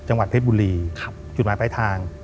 จังหวัดเพชรบุรีจุดหมายปลายทาง